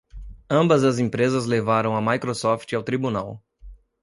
Ambas as empresas levaram a Microsoft ao tribunal.